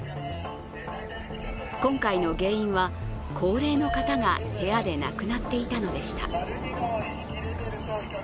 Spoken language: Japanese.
今回の原因は、高齢の方が部屋でなくなっていたのでした。